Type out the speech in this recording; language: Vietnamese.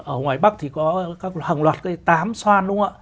ở ngoài bắc thì có hàng loạt cây tám xoan đúng không ạ